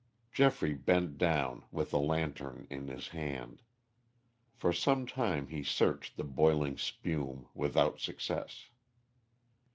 Geoffrey bent down with the lantern in his hand. For some time he searched the boiling spume without success.